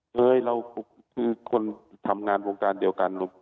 เฮ้ยเราคือคนทำงานวงการเดียวกัน